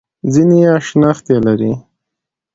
ځینې یې شنختې لري.